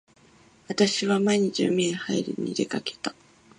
私は毎日海へはいりに出掛けた。